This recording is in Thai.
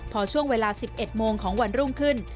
พอช่วงเวลาสิบเอ็ดโมงของวันรุ่งขึ้น